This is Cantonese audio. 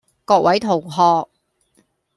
各位同學